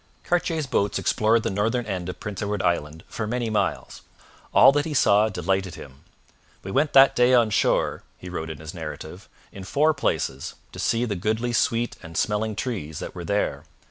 Cartier's boats explored the northern end of prince Edward Island for many miles. All that he saw delighted him. 'We went that day on shore,' he wrote in his narrative, 'in four places, to see the goodly sweet and smelling trees that were there.